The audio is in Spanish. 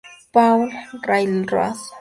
Paul railroad.